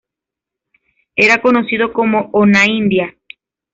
Era conocido como Onaindia.